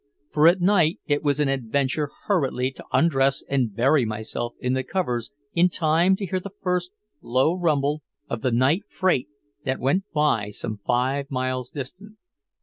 For at night it was an adventure hurriedly to undress and bury myself in the covers in time to hear the first low rumble of "the night freight" that went by some five miles distant.